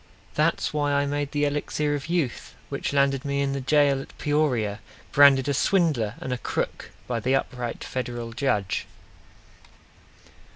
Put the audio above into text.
That's why I made the Elixir of Youth, Which landed me in the jail at Peoria Branded a swindler and a crook By the upright Federal Judge!